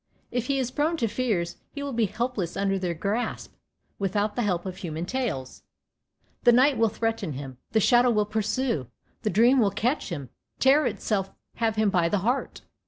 If he is prone to fears, he will be helpless under their grasp, without the help of human tales. The night will threaten him, the shadow will pursue, the dream will catch him; terror itself have him by the heart.